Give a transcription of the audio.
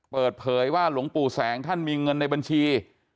เปิดเผยว่าหลวงปู่แสงท่านมีเงินในบัญชี